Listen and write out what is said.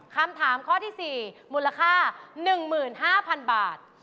คำถามข้อที่๔มูลค่า๑๕๐๐๐บาท